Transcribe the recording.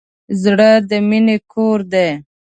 زړه د مینې کور دی.